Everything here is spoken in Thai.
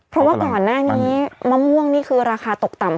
เพราะว่าก่อนหน้านี้มะม่วงนี่คือราคาตกต่ำ